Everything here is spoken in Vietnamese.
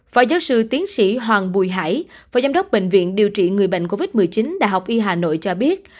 phó giáo sư tiến sĩ hoàng bùi hải phó giám đốc bệnh viện điều trị người bệnh covid một mươi chín đại học y hà nội cho biết